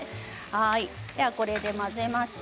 これで混ぜていきます。